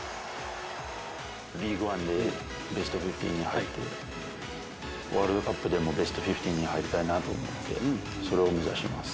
リーグワンでベスト１５に入って、ワールドカップでもベスト１５に入りたいなと思って、それを目指します。